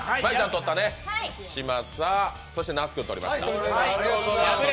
取ったね、嶋佐そして那須君取りました。